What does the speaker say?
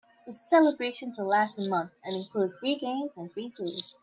The celebrations would last a month and include free games and free food.